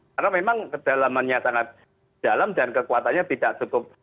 karena memang kedalamannya sangat dalam dan kekuatannya tidak cukup